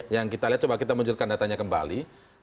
yang kita lihat coba kita munculkan datanya kembali